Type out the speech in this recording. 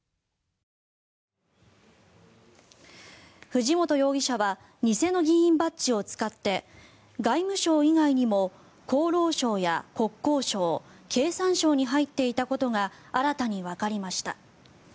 藤本容疑者は偽の議員バッジを使って外務省以外にも厚労省や国交省経産省に入っていたことが新たにわかりました。